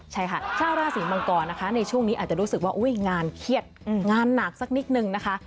ใช่ค่ะชาวราศีมังกรนะคะในช่วงนี้อาจจะรู้สึกว่างานเครียดงานหนักสักนิดนึงนะคะ